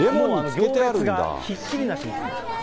行列がひっきりなし。